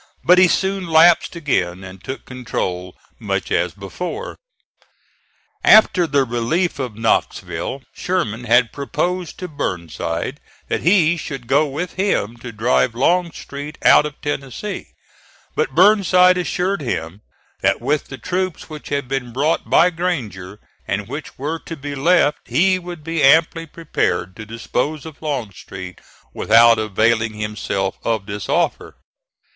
But he soon lapsed again and took control much as before. After the relief of Knoxville Sherman had proposed to Burnside that he should go with him to drive Longstreet out of Tennessee; but Burnside assured him that with the troops which had been brought by Granger, and which were to be left, he would be amply prepared to dispose of Longstreet without availing himself of this offer.